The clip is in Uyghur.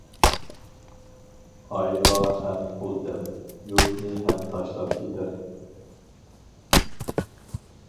ئايغا ھەم پۇل دەپ، يۇرتنى ھەم تاشلاپ كېتەر.